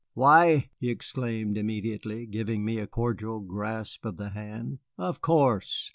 "Why," he exclaimed immediately, giving me a cordial grasp of the hand "of course.